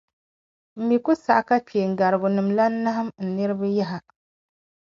M mi ku saɣi ka kpeengarigunim’ lan nahim n niriba yaha.